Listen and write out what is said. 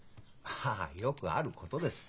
まあよくあることです。